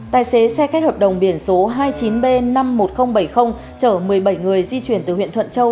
tài xế xe khách hợp đồng biển số hai mươi chín b năm mươi một nghìn bảy mươi chở một mươi bảy người di chuyển từ huyện thuận châu